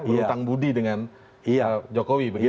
lutang budi dengan jokowi